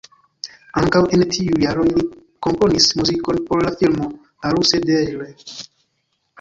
Ankaŭ en tiuj jaroj li komponis muzikon por la filmo Aruse Deĝle.